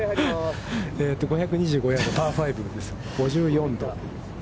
５２５ヤード、パー５です。